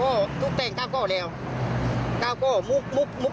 เพราะถูกทำร้ายเหมือนการบาดเจ็บเนื้อตัวมีแผลถลอก